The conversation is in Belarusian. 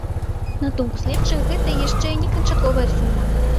На думку следчых, гэта яшчэ не канчатковая сума.